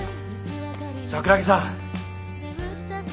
桜木さん！